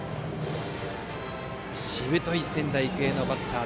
しぶとい仙台育英のバッター。